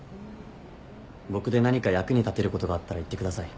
僕で何か役に立てることがあったら言ってください。